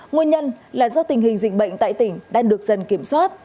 nguyên nhân là do tình hình dịch bệnh tại tỉnh đang được dần kiểm soát